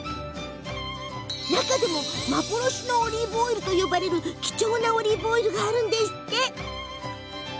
中でも幻のオリーブオイルとも呼ばれる貴重なオリーブオイルがあるんですって。